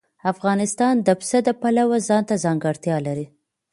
افغانستان د پسه د پلوه ځانته ځانګړتیا لري.